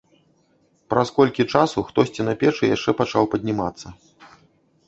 Праз колькі часу хтосьці на печы яшчэ пачаў паднімацца.